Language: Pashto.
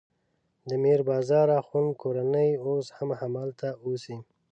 د میر بازار اخوند کورنۍ اوس هم همدلته اوسي.